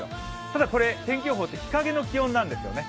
ただ、天気予報って日陰の気温なんですよね。